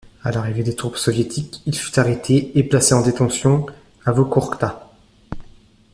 À l'arrivée des troupes soviétiques, il fut arrêté et placé en détention à Vorkouta.